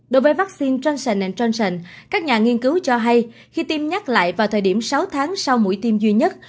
đối với vắc xin johnson johnson các nhà nghiên cứu cho hay khi tiêm nhắc lại vào thời điểm sáu tháng sau mũi tiêm duy nhất